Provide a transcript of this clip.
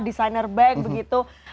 desainer bag begitu